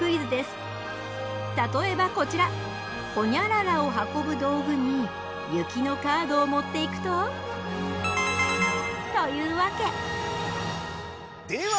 例えばこちら「ホニャララを運ぶ道具」に「雪」のカードを持っていくと。というわけ。